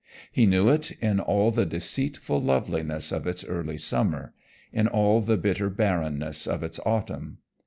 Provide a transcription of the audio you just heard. He knew it in all the deceitful loveliness of its early summer, in all the bitter barrenness of its autumn.